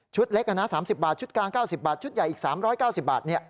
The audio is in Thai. เล็กนะ๓๐บาทชุดกลาง๙๐บาทชุดใหญ่อีก๓๙๐บาท